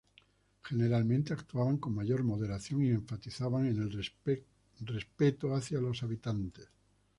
Generalmente actuaban con mayor moderación y enfatizaban en el respeto hacia los habitantes.